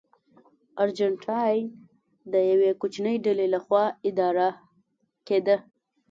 ارجنټاین د یوې کوچنۍ ډلې لخوا اداره کېده.